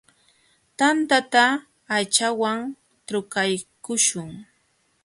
Tantata aychawan trukaykuśhun.